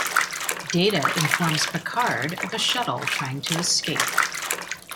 Data informs Picard of a shuttle trying to escape.